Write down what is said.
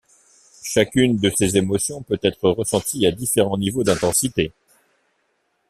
Chacune de ces émotions peut être ressentie à différents niveaux d’intensité.